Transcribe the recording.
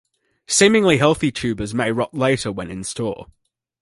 Seemingly healthy tubers may rot later when in store.